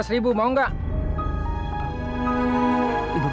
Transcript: lima belas ribu mau nggak